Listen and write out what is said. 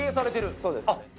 そうですね。